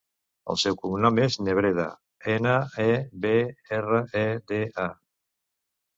El seu cognom és Nebreda: ena, e, be, erra, e, de, a.